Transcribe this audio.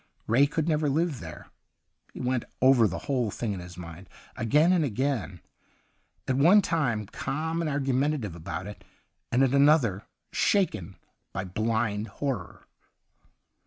Ray could never live there. He went over the whole thing in his mind again and again, at one time calm and argumentative about it, and at another shaken by blind horror.